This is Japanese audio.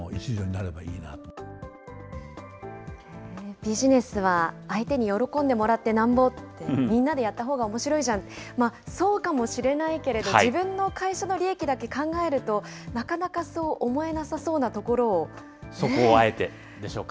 ビジネスは相手に喜んでもらってなんぼって、みんなでやったほうがおもしろいじゃん、そうかもしれないけど、自分の会社の利益だけ考えると、なかなかそこをあえてでしょうか。